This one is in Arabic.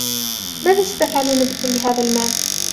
ماذا ستفعلون بكل هذا المال ؟